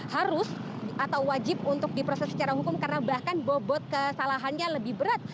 harus atau wajib untuk diproses secara hukum karena bahkan bobot kesalahannya lebih berat